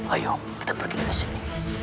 ayo kita pergi ke sini